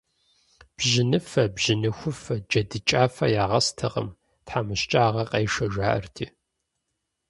Бжьыныфэ, бжьыныхуфэ, джэдыкӀафэ ягъэстэкъым, тхьэмыщкӀагъэ къешэ, жаӀэрти.